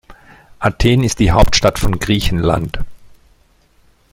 Athen ist die Hauptstadt von Griechenland.